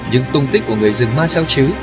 nhưng tung tích của người rừng ma sao chứ